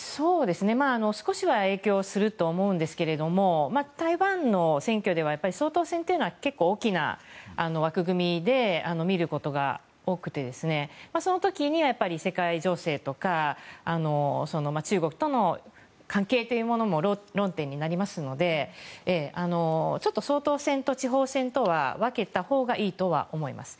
少しは影響すると思うんですけれども台湾の選挙では総統選というのは結構大きな枠組みで見ることが多くてその時には、世界情勢とか中国との関係というものも論点になりますのでちょっと総統選と地方選とは分けたほうがいいとは思います。